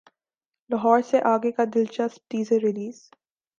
لاہور سے اگے کا دلچسپ ٹیزر ریلیز